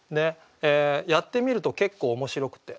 「やってみると結構面白くて」。